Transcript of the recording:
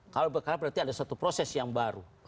kalau perkara berarti ada satu proses yang baru